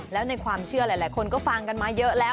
แล้วในความเชื่อหลายคนก็ฟังกันมาเยอะแล้ว